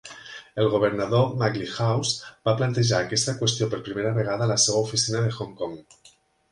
El governador MacLehose va plantejar aquesta qüestió per primera vegada a la seva oficina de Hong Kong.